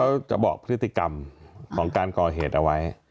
ก็จะบอกพฤติกรรมของการก่อเหตุเอาไว้